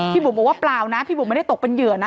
บุ๋มบอกว่าเปล่านะพี่บุ๋มไม่ได้ตกเป็นเหยื่อนะ